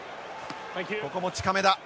ここも近めだ。